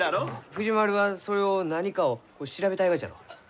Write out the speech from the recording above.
藤丸はそれを何かを調べたいがじゃろう？